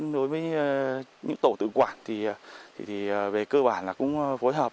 đối với những tổ tự quản về cơ bản cũng phối hợp